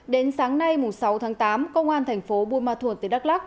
đến sáng nay sáu tháng tám công an thành phố bùi ma thuột tây đắc lắc